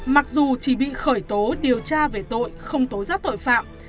mặc dù chỉ bị khởi tố điều tra về tội không tố giác tội phạm